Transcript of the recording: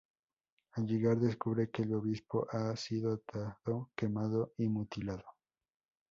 Al llegar, descubre que el obispo ha sido atado, quemado y mutilado.